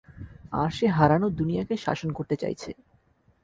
আর সে হারানো দুনিয়াকে শাসন করতে চাইছে।